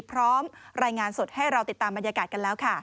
พร้อมรายงานสดให้เราติดตามบรรยากาศกันแล้วค่ะ